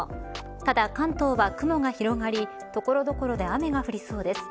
ただ関東は雲が広がり所々で雨が降りそうです。